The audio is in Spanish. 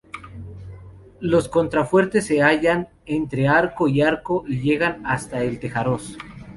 Los contrafuertes se hallan entre arco y arco y llegan hasta el tejaroz.